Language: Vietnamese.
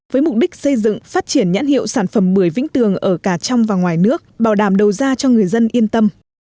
với mục đích xây dựng phát triển nhãn hiệu sản phẩm bưởi vĩnh tường ở cả trong và ngoài nước bảo đảm đầu ra cho người dân yên tâm